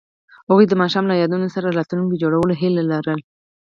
هغوی د ماښام له یادونو سره راتلونکی جوړولو هیله لرله.